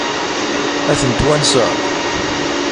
Ad ten-twanseḍ?